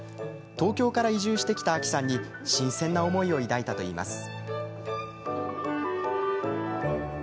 東京から移住してきた亜紀さんに新鮮な思いを抱いたといいます。